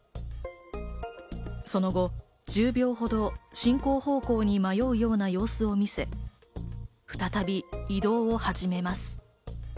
その後、１０秒ほど進行方向に迷うような様子をみせ、再び移動を始めます。